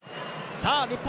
さぁ日本！